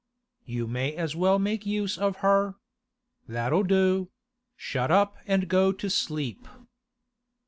'You may as well make use of her. That'll do; shut up and go to sleep.